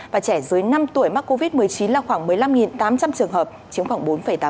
và trẻ dưới năm tuổi mắc covid một mươi chín là khoảng một mươi năm tám trăm linh trường hợp chiếm khoảng bốn tám